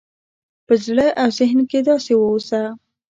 په زړه او ذهن کې داسې واوسه